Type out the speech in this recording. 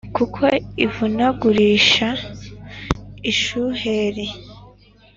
kuko imvunagurisha ishuheri,